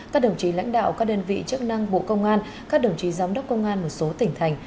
các đồng chí lãnh đạo các đơn vị chức năng bộ công an các đồng chí giám đốc công an một số tỉnh thành